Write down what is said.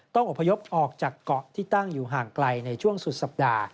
อบพยพออกจากเกาะที่ตั้งอยู่ห่างไกลในช่วงสุดสัปดาห์